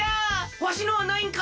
わしのはないんか！？